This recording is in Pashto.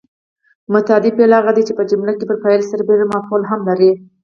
متعدي فعل هغه دی چې په جمله کې پر فاعل سربېره مفعول هم لري.